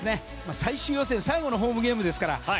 最終予選最後のホームゲームですから。